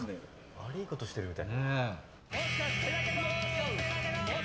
悪いことしてるみたい。